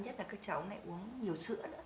nhất là các cháu này uống nhiều sữa